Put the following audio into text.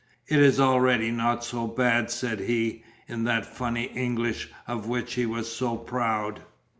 "It is already not so bad," said he, in that funny English of which he was so proud.